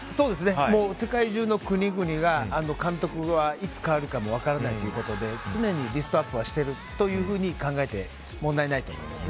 世界中の国々が監督がいつ代わるか分からないということで常にリストアップしていると考えて問題ないと思います。